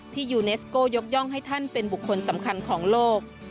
ยูเนสโก้ยกย่องให้ท่านเป็นบุคคลสำคัญของโลก